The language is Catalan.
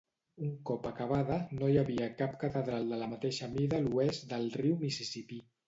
Un cop acabada, no hi havia cap catedral de la mateixa mida a l'oest del riu Mississipí.